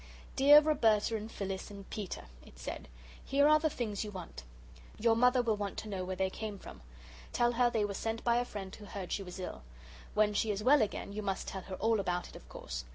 "Dear Roberta and Phyllis and Peter," it said; "here are the things you want. Your mother will want to know where they came from. Tell her they were sent by a friend who heard she was ill. When she is well again you must tell her all about it, of course.